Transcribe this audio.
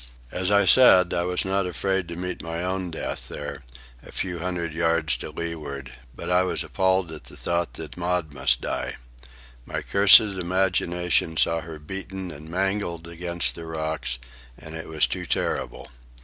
As I say, I was not afraid to meet my own death, there, a few hundred yards to leeward; but I was appalled at the thought that Maud must die. My cursed imagination saw her beaten and mangled against the rocks, and it was too terrible.